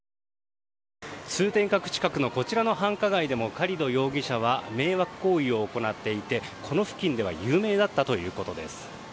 通天閣近くのこちらの繁華街でもカリド容疑者は迷惑行為を行っていてこの付近では有名だったということです。